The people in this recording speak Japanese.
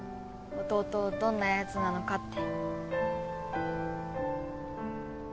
弟どんなヤツなのかって